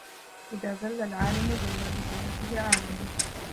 إذا زل العالِمُ زل بزلته عالَمٌ